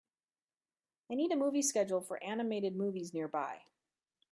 I need a movie schedule for animated movies nearby